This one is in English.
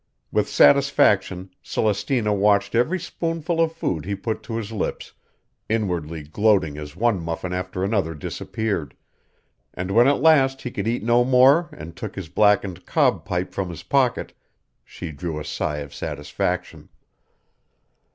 With satisfaction Celestina watched every spoonful of food he put to his lips, inwardly gloating as one muffin after another disappeared; and when at last he could eat no more and took his blackened cob pipe from his pocket, she drew a sigh of satisfaction.